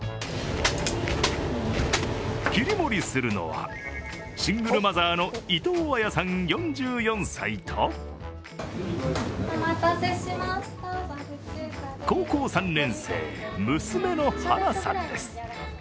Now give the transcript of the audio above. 切り盛りするのはシングルマザーの伊藤綾さん４４歳と高校３年生、娘の晴名さんです。